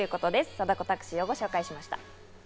今日は貞子タクシーをご紹介しました。